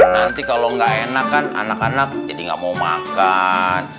nanti kalau nggak enak kan anak anak jadi nggak mau makan